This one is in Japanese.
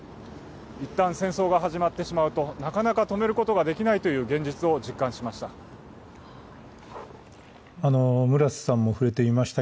一旦戦争が始まってしまうとなかなか止めることができないという現実を実感しました。